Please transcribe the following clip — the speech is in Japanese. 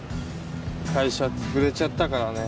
会社潰れちゃったからね。